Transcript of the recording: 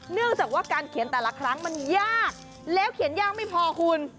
เนื่องจากว่าการเขียนแต่ละครั้งมันยากแล้วเขียนยากไม่พอคุณ